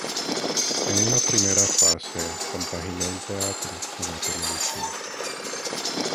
En una primera fase compaginó el teatro y la televisión.